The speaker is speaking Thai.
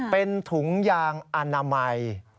เป็นถุงยางอนามัย